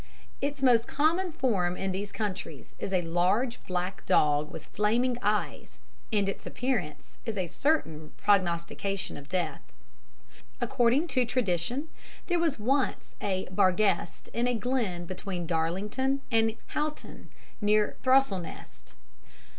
Its most common form in these counties is a large, black dog with flaming eyes; and its appearance is a certain prognostication of death. According to tradition there was once a "Barguest" in a glen between Darlington and Houghton, near Throstlenest.